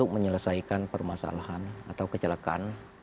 menyelesaikan permasalahan atau kecelakaan